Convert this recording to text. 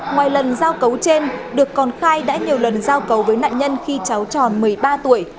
ngoài lần giao cấu trên được còn khai đã nhiều lần giao cầu với nạn nhân khi cháu tròn một mươi ba tuổi